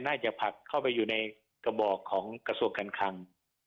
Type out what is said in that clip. น่าจะผลักเข้าไปอยู่ในกระบอกของกระทรวงกลาง